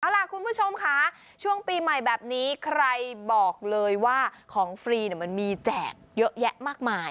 เอาล่ะคุณผู้ชมค่ะช่วงปีใหม่แบบนี้ใครบอกเลยว่าของฟรีมันมีแจกเยอะแยะมากมาย